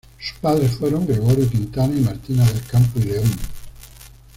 Sus padres fueron Gregorio Quintana y Martina del Campo y León.